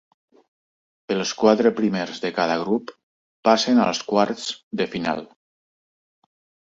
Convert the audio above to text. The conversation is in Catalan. Els quatre primers de cada grup passen als quarts de final.